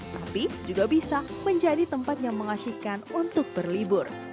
tapi juga bisa menjadi tempat yang mengasihkan untuk berlibur